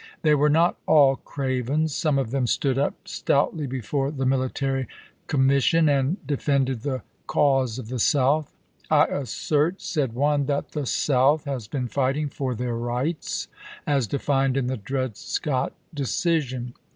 They were not all cravens; some of them stood up Benn stoutly beforc the Military Commission and de "^T^Sn fended the cause of the South. " I assert," said toSinap one, "that the South has been fighting for their rights as defined in the Dred Scott decision."